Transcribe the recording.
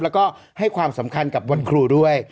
แล้วก็ให้ความสำคัญกับวันครูด้วย